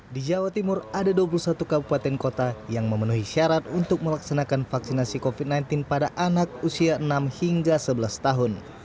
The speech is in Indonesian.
di jawa timur ada dua puluh satu kabupaten kota yang memenuhi syarat untuk melaksanakan vaksinasi covid sembilan belas pada anak usia enam hingga sebelas tahun